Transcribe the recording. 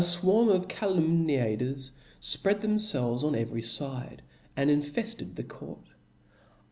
w^ fwarm of calumniators fpread tbemfehes on every Jide^ and infeSed the court..